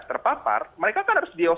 terpapar mereka kan harus